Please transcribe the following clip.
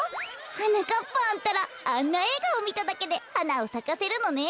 はなかっぱんたらあんなえいがをみただけではなをさかせるのね。